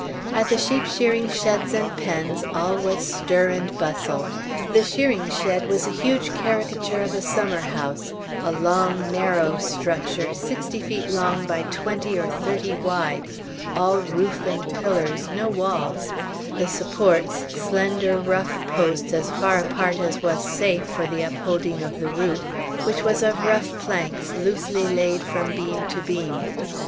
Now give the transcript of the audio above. At the sheep shearing sheds and pens all was stir and bustle. The shearing shed was a huge caricature of a summerhouse, a long, narrow structure, sixty feet long by twenty or thirty wide, all roof and pillars; no walls; the supports, slender rough posts, as far apart as was safe, for the upholding of the roof, which was of rough planks loosely laid from beam to beam.